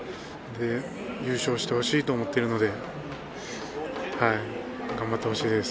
優勝してほしいと思っているので頑張ってほしいです。